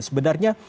sebenarnya siapa saja